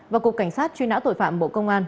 và cục cảnh sát truy nã tội phạm bộ công an